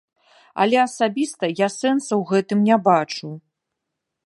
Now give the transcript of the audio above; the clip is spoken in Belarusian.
Але асабіста я сэнсу ў гэтым не бачу.